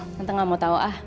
tante gak mau tau ah